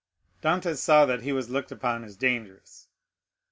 Dantès saw that he was looked upon as dangerous.